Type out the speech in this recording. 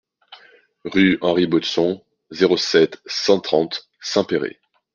Rue Henri Baudson, zéro sept, cent trente Saint-Péray